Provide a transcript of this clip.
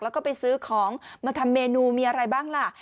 แล้วก็ไปซื้อของมาทำเมนูมีอะไรบ้างล่ะ